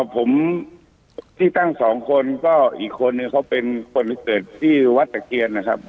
ผมที่ตั้งสองคนก็อีกคนนึงเขาเป็นคนเกิดที่วัดตะเกียรนะครับ